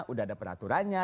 udah ada peraturannya